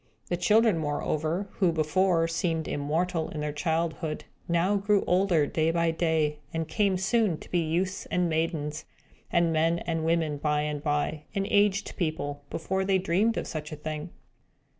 The children, moreover, who before seemed immortal in their childhood, now grew older, day by day, and came soon to be youths and maidens, and men and women by and by, and aged people, before they dreamed of such a thing.